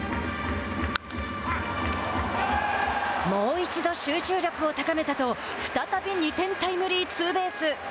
もう一度集中力を高めたと再び２点タイムリーツーベース。